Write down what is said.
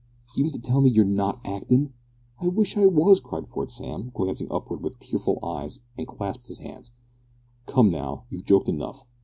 D'ye mean to tell me you're not actin'?" "I wish I was!" cried poor Sam, glancing upward with tearful eyes and clasping his hands. "Come now. You've joked enough.